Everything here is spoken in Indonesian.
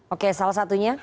oke salah satunya